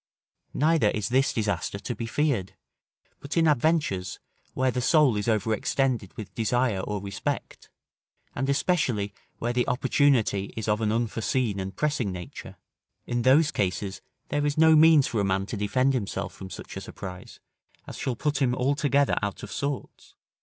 Neither is this disaster to be feared, but in adventures, where the soul is overextended with desire or respect, and, especially, where the opportunity is of an unforeseen and pressing nature; in those cases, there is no means for a man to defend himself from such a surprise, as shall put him altogether out of sorts.